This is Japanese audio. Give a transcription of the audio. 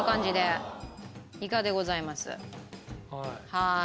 はい。